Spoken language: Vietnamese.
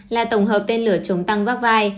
là tổng hợp tên lửa chống tăng vác vai